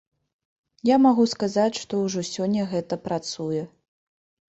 Я магу сказаць, што ўжо сёння гэта працуе.